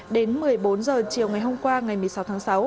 đến một mươi bốn h chiều ngày hôm qua ngày một mươi sáu tháng sáu